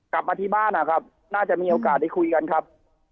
กลับมาที่บ้านนะครับน่าจะมีโอกาสได้คุยกันครับ